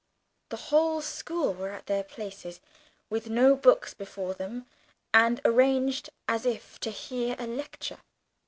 The whole school were at their places, with no books before them, and arranged as if to hear a lecture.